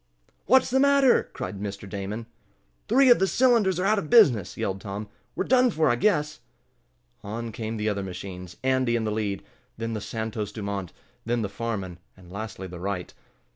"What's the matter?" cried Mr. Damon. "Three of the cylinders are out of business!" yelled Tom. "We're done for, I guess." On came the other machines, Andy in the lead, then the Santos Dumont, then the Farman, and lastly the Wright.